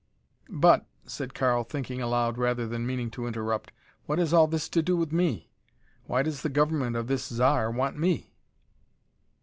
"But," said Karl, thinking aloud rather than meaning to interrupt, "what has all this to do with me? Why does the government of this Zar want me?"